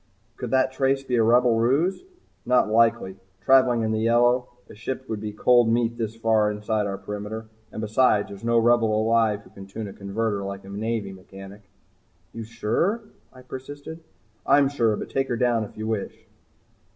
"Could that trace be a Rebel ruse?" "Not likely travelling in the yellow. A ship would be cold meat this far inside our perimeter. And besides, there's no Rebel alive who can tune a converter like a Navy mechanic." "You sure?" I persisted. "I'm sure. But take her down if you wish."